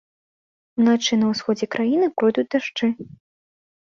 Уначы на ўсходзе краіны пройдуць дажджы.